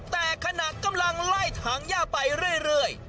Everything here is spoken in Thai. แต่ขณะกำลังไล่ถังย่าไปเรื่อย